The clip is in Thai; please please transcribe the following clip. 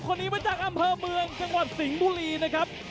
คนนี้มาจากอำเภอเมืองจังหวัดสิงห์บุรีนะครับ